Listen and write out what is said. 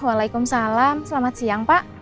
waalaikumsalam selamat siang pak